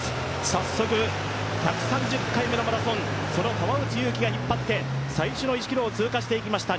早速、１３０回目のマラソン、川内優輝が引っ張って最初の１ｋｍを通過していきました